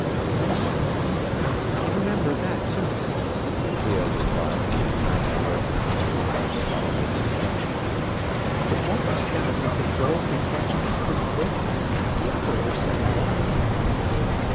"Thanks, Conway I'll remember that, too," Clio replied, as she turned toward the tiny locker to follow his instructions. "But won't the scouts and patrols be catching us pretty quick? The operator sent a warning."